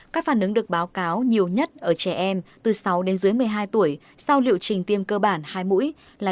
các phản ứng được báo cáo nhiều nhất ở trẻ em từ sáu đến dưới một mươi hai tuổi sau liệu trình tiêm cơ bản hai mũi là